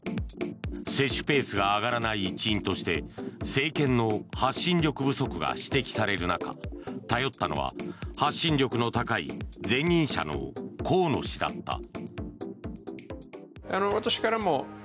接種ペースが上がらない一因として政権の発信力不足が指摘される中頼ったのは発信力の高い前任者の河野氏だった。